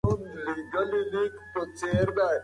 موسکا کوه